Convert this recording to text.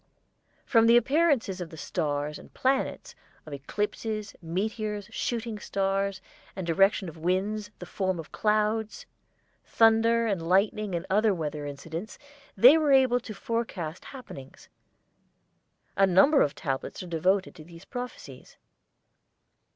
From the appearances of the stars and planets, of eclipses, meteors, shooting stars, the direction of winds, the form of clouds, thunder and lightning and other weather incidents, they were able to forecast happenings. A number of tablets are devoted to these prophecies.